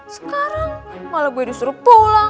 sekarang malah gue disuruh pulang